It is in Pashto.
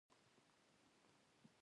چې د سترګو په وړاندې مې مړواې کيږي.